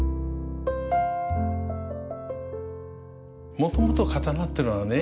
もともと刀ってのはね